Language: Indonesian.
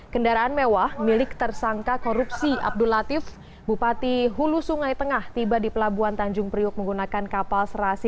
kendaraan mewah milik tersangka korupsi abdul latif bupati hulu sungai tengah tiba di pelabuhan tanjung priuk menggunakan kapal serasi